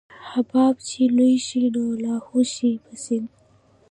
حباب چې لوى شي نو لاهو شي په سيند.